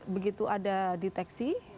begitu ada deteksi